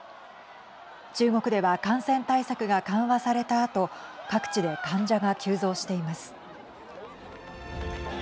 中国では感染対策が緩和されたあと各地で患者が急増しています。